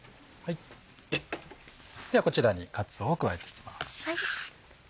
ではこちらにかつおを加えていきます。